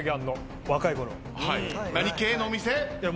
何系のお店？